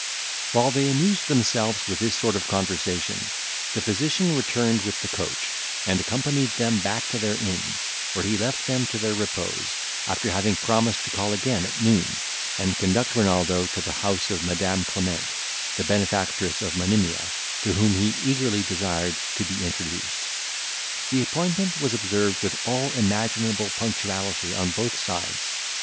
While they amused themselves with this sort of conversation, the physician returned with the coach, and accompanied them back to their inn, where he left them to their repose, after having promised to call again at noon, and conduct Renaldo to the house of Madam Clement, the benefactress of Monimia, to whom he eagerly desired to be introduced. The appointment was observed with all imaginable punctuality on both sides.